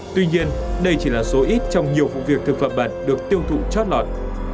tuy nhiên đây chỉ là số ít trong nhiều vụ việc thực phẩm bẩn được tiêu thụ chót lọt